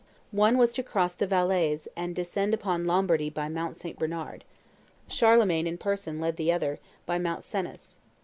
One was to cross the Valais and descend upon Lombardy by Mount St. Bernard; Charlemagne in person led the other, by Mount Cenis.